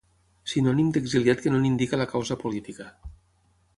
Sinònim d'exiliat que no n'indica la causa política.